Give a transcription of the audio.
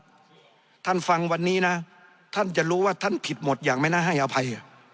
ท่านฟังวันนี้นะท่านจะรู้ว่าท่านผิดหมดอย่างไม่น่าให้อภัย